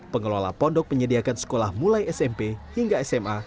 pengelola pondok menyediakan sekolah mulai smp hingga sma